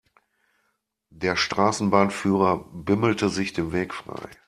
Der Straßenbahnführer bimmelte sich den Weg frei.